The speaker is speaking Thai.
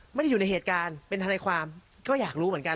ไม่ได้อยู่ในเหตุการณ์เป็นทนายความก็อยากรู้เหมือนกัน